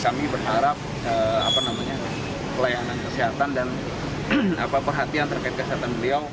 kami berharap pelayanan kesehatan dan perhatian terkait kesehatan beliau